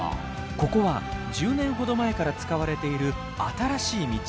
ここは１０年ほど前から使われている新しい道。